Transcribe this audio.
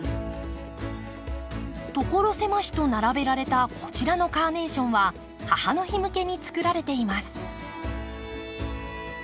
所狭しと並べられたこちらのカーネーションは母の日向けにつくられています。